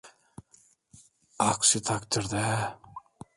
Aksi takdirde…